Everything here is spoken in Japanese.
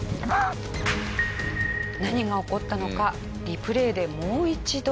何が起こったのかリプレイでもう一度。